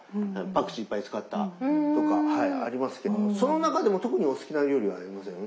パクチーいっぱい使ったとかありますけどもその中でも特にお好きな料理ありません？